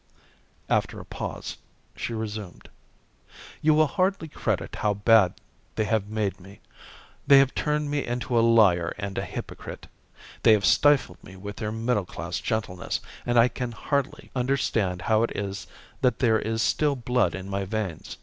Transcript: After a pause, she resumed: "You will hardly credit how bad they have made me. They have turned me into a liar and a hypocrite. They have stifled me with their middle class gentleness, and I can hardly understand how it is that there is still blood in my veins.